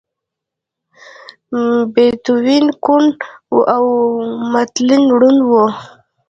بيتووين کوڼ و او ملټن ړوند و.